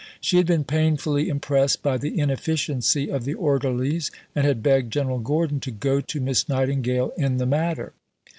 She had been painfully impressed by the inefficiency of the orderlies, and had begged General Gordon to "go to Miss Nightingale" in the matter.